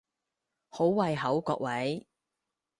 好胃口各位！